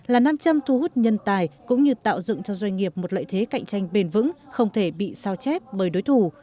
là nam châm thu hút nhân tài cũng như tạo dựng cho doanh nghiệp một lợi thế cạnh tranh bền vững không thể bị sao chép bởi đối thủ